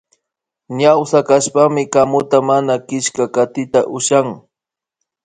Ñawsa kashpami kamuta mana killkakatita ushakuni